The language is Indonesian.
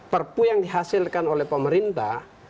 perpu yang dihasilkan oleh pemerintah